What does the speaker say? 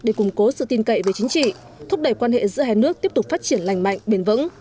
để củng cố sự tin cậy về chính trị thúc đẩy quan hệ giữa hai nước tiếp tục phát triển lành mạnh bền vững